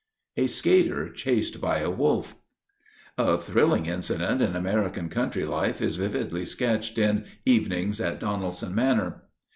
A SKATER CHASED BY A WOLF. A thrilling incident in American country life is vividly sketched in "Evenings at Donaldson Manor."